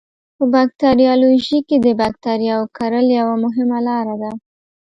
په باکتریالوژي کې د بکټریاوو کرل یوه مهمه لاره ده.